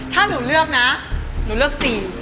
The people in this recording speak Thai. ถ้าหนูเลือกนะหนูเลือก๔